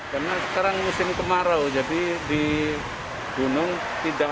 karena sekarang musim kemarau jadi di gunung tidak